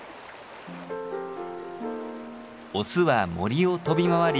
オスは森を飛び回り